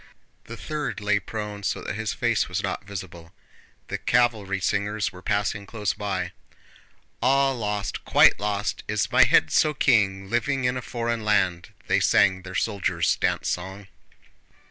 The third lay prone so that his face was not visible. The cavalry singers were passing close by: Ah lost, quite lost... is my head so keen, Living in a foreign land... they sang their soldiers' dance song.